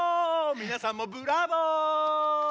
みなさんもブラボー！